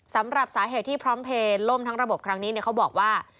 สำหรับสาเหตุที่พร้อมเพลย์ล่มทั้งระบบครั้งนี้เขาบอกว่า